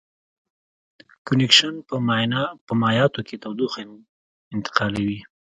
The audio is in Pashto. کنویکشن په مایعاتو کې تودوخه انتقالوي.